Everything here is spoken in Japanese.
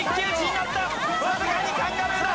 わずかにカンガルーだ！